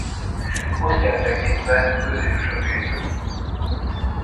Posztját tekintve középső védő.